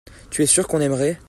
tu es sûr qu'on aimerait.